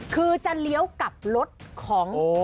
คือจะเลี้ยวกลับรถของ